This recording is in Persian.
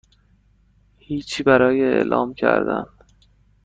هیچی برای اعلام کردن